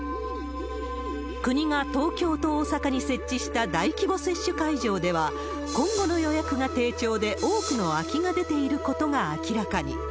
国が東京と大阪に設置した大規模接種会場では、今後の予約が低調で、多くの空きが出ていることが明らかに。